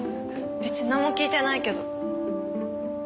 別になんも聞いてないけど。